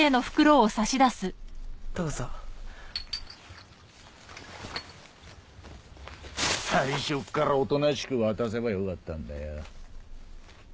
どうぞ最初っからおとなしく渡せばよかったんだよ